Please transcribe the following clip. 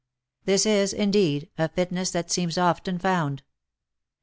This is, indeed, a fitness that seems often found.